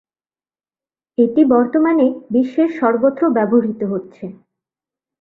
এটি বর্তমানে বিশ্বের সর্বত্র ব্যবহৃত হচ্ছে।